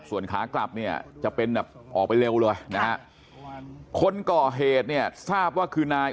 ส่วนขากลับเนี่ยจะเป็นแบบออกไปเร็วเลยนะฮะคนก่อเหตุเนี่ยทราบว่าคือนาย